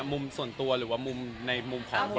มุมส่วนตัวหรือว่ามุมของบริษัท